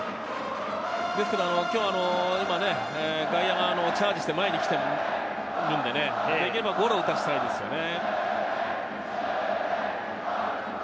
ですけれど、外野のチャージして前に来ているので、できればゴロを打たせたいですね。